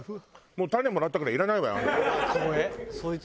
「もう種もらったからいらないわよ！あんた」。